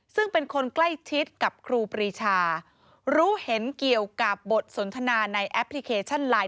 ซึ่งเป็นคนใกล้ชิดกับครูปรีชารู้เห็นเกี่ยวกับบทสนทนาในแอปพลิเคชันไลน